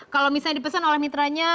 kalau misalnya dipesan oleh mitranya